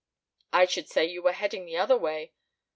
"I should say you were heading the other way.